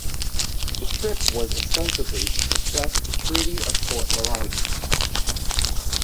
The trip was ostensibly to discuss the Treaty of Fort Laramie.